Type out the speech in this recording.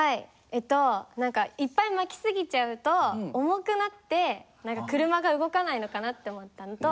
えっと何かいっぱい巻き過ぎちゃうと重くなって車が動かないのかなって思ったのと。